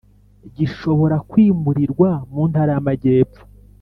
Gishobora kwimurirwa mu ntara y’amajyepho